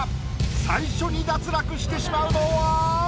最初に脱落してしまうのは？